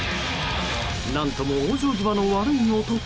何とも往生際の悪い男。